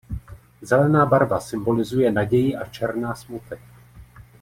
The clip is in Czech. Zelená barva symbolizuje naději a černá smutek.